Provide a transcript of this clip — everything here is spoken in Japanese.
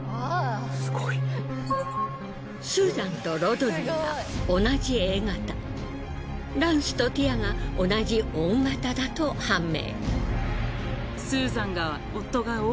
スーザンとロドニーが同じＡ型ランスとティアが同じＯ型だと判明。